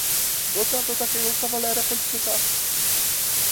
"Godna to takiego kawalera polityka."